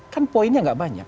kan poinnya nggak banyak